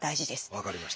分かりました。